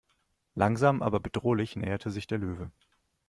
Langsam aber bedrohlich näherte sich der Löwe.